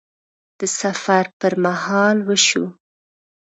د سفر پر مهال وشو